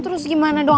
terus gimana dong